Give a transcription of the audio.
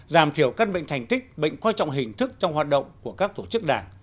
giảm thiểu các bệnh thành tích bệnh quan trọng hình thức trong hoạt động của các tổ chức đảng